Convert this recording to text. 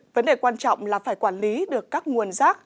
vấn đề quan trọng là phải quản lý được các nguồn rác